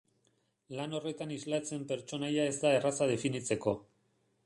Lan horretan islatzen pertsonaia ez da erraza definitzeko.